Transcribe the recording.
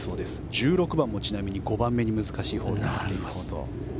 １６番もちなみに５番目に難しいホールです。